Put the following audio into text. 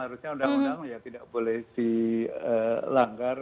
harusnya undang undang ya tidak boleh dilanggar